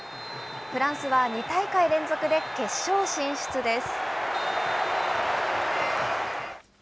フランスは２大会連続で決勝進出です。